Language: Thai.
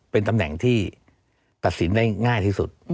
เป็นตำแหน่งที่ตัดสินได้ง่ายที่สุด